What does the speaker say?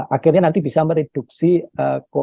akhirnya nanti bisa mereduksi oposisi yang kuat itu